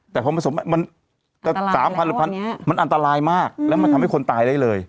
แต่พอมันจะ๓๐๐หรือพันมันอันตรายมากแล้วมันทำให้คนตายได้เลย